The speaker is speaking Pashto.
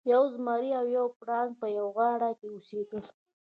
یو زمری او یو پړانګ په یوه غار کې اوسیدل.